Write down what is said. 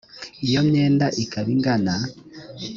iyo myenda ikaba ingana